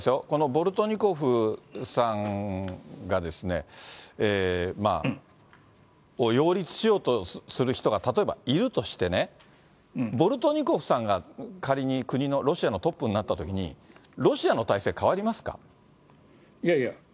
このボルトニコフさんを擁立しようとする人が、例えばいるとしてね、ボルトニコフさんが仮に国の、ロシアのトップになったときに、ロシアの体制、いやいや。